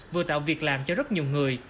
vừa tạo việc làm cho rất nhiều người